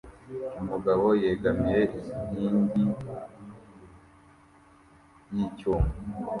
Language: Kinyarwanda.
Umugabo yegamiye inkingi y'icyuma